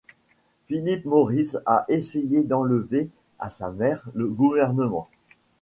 Philippe Maurice a essayé d'enlever à sa mère le gouvernement.